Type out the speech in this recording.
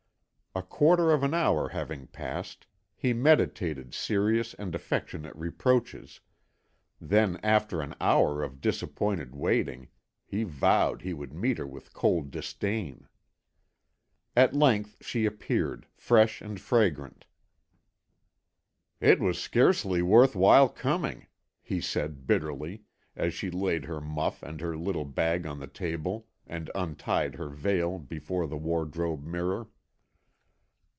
A quarter of an hour having passed, he meditated serious and affectionate reproaches, then after an hour of disappointed waiting he vowed he would meet her with cold disdain. At length she appeared, fresh and fragrant. "It was scarcely worth while coming," he said bitterly, as she laid her muff and her little bag on the table and untied her veil before the wardrobe mirror.